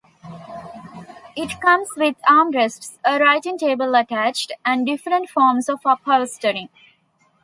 It comes with armrests, a writing-table attached, and different forms of upholstering.